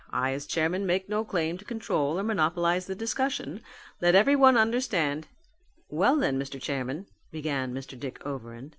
I as chairman make no claim to control or monopolize the discussion. Let everyone understand " "Well then, Mr. Chairman," began Mr. Dick Overend.